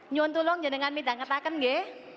nyontulong jadangan midang ketahkan ya